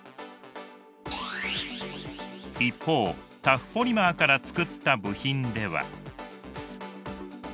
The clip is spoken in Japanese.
一方タフポリマーから作った部品では。